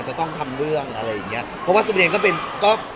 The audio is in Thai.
จะต้องทำเรื่องอะไรอย่างเงี้ยเพราะว่าซุมเองก็เป็นก็